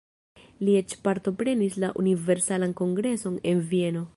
Li eĉ partoprenis la Universalan Kongreson en Vieno.